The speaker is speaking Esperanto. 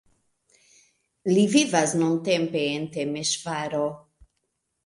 Li vivas nuntempe en Temeŝvaro.